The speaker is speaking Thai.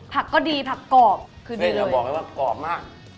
ผักก็ดีผักกรอบคือดีเลยเดี๋ยวจะบอกให้ว่ากรอบมาก